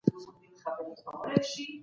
څوک د کرنیزو محصولاتو وده څاري؟